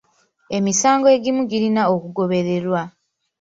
Emisango egimu girina okugobererwa.